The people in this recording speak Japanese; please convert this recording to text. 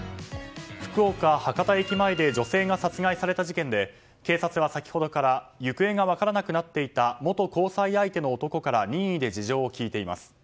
福岡・博多駅前で女性が殺害された事件で警察は先ほどから行方が分からなくなっていた元交際相手の男から任意で事情を聴いています。